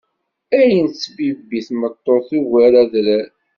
Ayen tettbibbi tmeṭṭut tugar adrar.